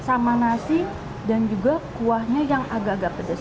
pas banget dimakan sama nasi dan juga kuahnya yang agak agak pedas